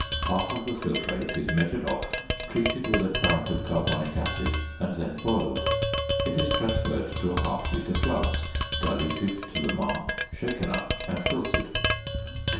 Half of the filtrate is measured off, treated with a current of carbonic acid, and then boiled. It is transferred to a half litre flask, diluted to the mark, shaken up, and filtered. 250 c.c.